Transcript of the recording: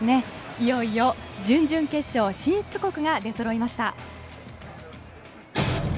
いよいよ準々決勝進出国が出そろいました。